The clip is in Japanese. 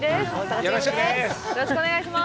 よろしくお願いします！